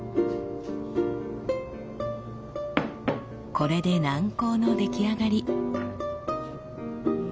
これで軟膏の出来上がり。